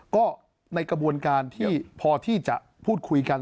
ก็ในกระบวนการที่พอที่จะพูดคุยกัน